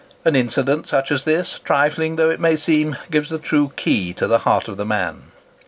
An incident such as this, trifling though it may seem, gives the true key to the heart of the man.